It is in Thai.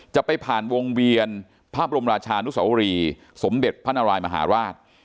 จะไปผ่านวงเวียนพระบรมราชานุสวรีสมเด็จพระนารายมหาราช